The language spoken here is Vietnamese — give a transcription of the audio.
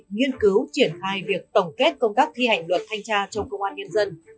nghiên cứu triển khai việc tổng kết công tác thi hành luật thanh tra trong công an nhân dân